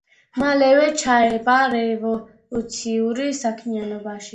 მალევე ჩაება რევოლუციურ საქმიანობაში.